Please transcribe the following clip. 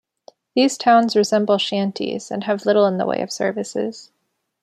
These towns resemble shanties, and have little in the way of services.